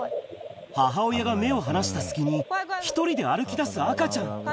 母親が目を離した隙に、１人で歩きだす赤ちゃん。